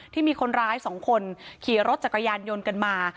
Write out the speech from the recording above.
ที่มีคนร้าย๒คนขี่รถจักรยานยนต์กันมา